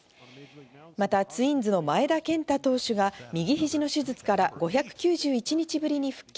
またツインズの前田健太投手は、右ひじの手術から５９１日ぶりに復帰。